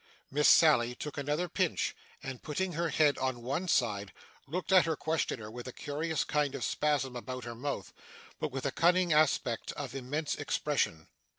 Miss Sally took another pinch, and putting her head on one side, looked at her questioner, with a curious kind of spasm about her mouth, but with a cunning aspect of immense expression.